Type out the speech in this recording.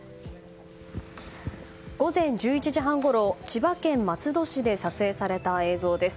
午前１１時半ごろ千葉県松戸市で撮影された映像です。